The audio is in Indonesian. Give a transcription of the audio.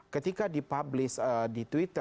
ketika di publish di tweet